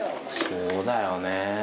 そうだよね。